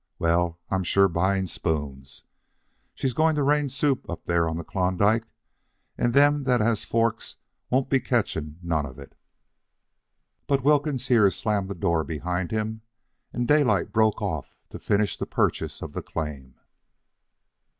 Well, I'm sure buying spoons. She's going to rain soup up there on the Klondike, and them that has forks won't be catching none of it." But Wilkins here slammed the door behind him, and Daylight broke off to finish the purchase of the claim.